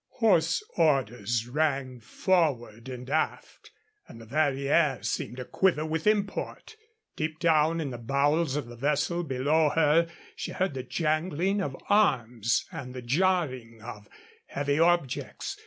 Hoarse orders rang forward and aft, and the very air seemed aquiver with import. Deep down in the bowels of the vessel below her she heard the jangling of arms and the jarring of heavy objects.